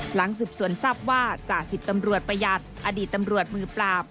หลังสืบสวนทรัพย์ว่าจ่าสิบตำรวจประหยัดอดีตตำรวจมือปราบ